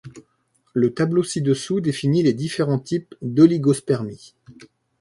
Le tableau ci-dessous définit les différents types d’oligospermie.